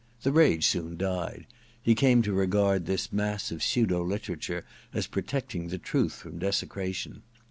The rage soon died : he came to regard this mass of pseudo literature as protecting the truth from desecra tion.